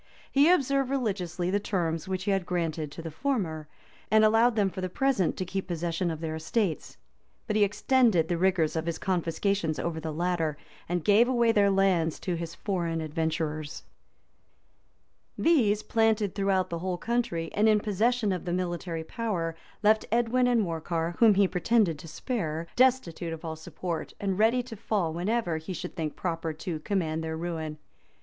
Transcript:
He observed religiously the terms which he had granted to the former, and allowed them for the present to keep possession of their estates; but he extended the rigors of his confiscations over the latter, and gave away their lands to his foreign adventurers. [* Order. Vitalis, p. 511.] [ Order. Vitalis, p. 511.] [ Order. Vitalia, p. 511.] [ Order. Vitalis, p. 511.] These, planted throughout the whole country, and in possession of the military power, left Edwin and Morcar, whom he pretended to spare, destitute of all support, and ready to fall whenever he should think proper to command their ruin.